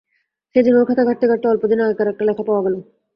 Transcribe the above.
সেদিন ওর খাতা ঘাঁটতে ঘাঁটতে অল্পদিন আগেকার একটা লেখা পাওয়া গেল।